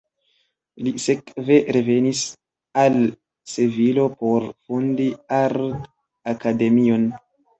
Li sekve revenis al Sevilo por fondi art-akademion.